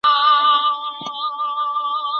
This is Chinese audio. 以下书籍在台代理版的译者皆为林武三。